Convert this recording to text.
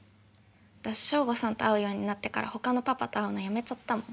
私省吾さんと会うようになってからほかのパパと会うのやめちゃったもん。